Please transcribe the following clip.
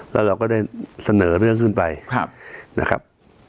แล้วเราก็ได้เสนอเรื่องขึ้นไปนะครับ